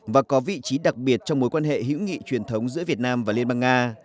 và có vị trí đặc biệt trong mối quan hệ hữu nghị truyền thống giữa việt nam và liên bang nga